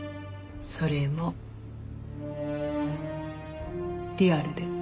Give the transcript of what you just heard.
それもリアルで。